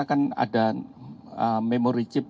akan ada memory chip